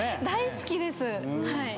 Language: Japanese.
大好きです。